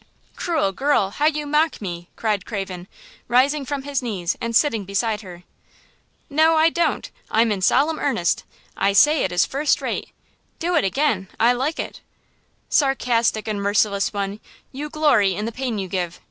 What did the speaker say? "Cruel girl! How you mock me!" cried Craven, rising from his knees and sitting beside her. "No, I don't; I'm in solemn earnest. I say it is first rate. Do it again; I like it!" "Sarcastic and merciless one, you glory in the pain you give!